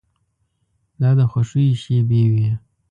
دا د خوښیو شېبې وې.